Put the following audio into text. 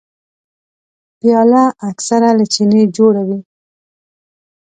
پیاله اکثره له چیني جوړه وي.